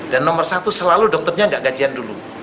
dan nomor satu selalu dokternya gak gajian dulu